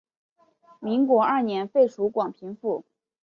民国二年废除广平府。